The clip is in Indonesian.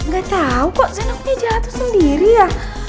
gak tau kok sendoknya jatuh sendiri ya